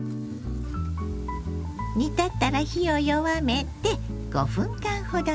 煮立ったら火を弱めて５分間ほど煮ます。